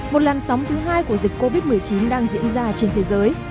một làn sóng thứ hai của dịch covid một mươi chín đang diễn ra trên thế giới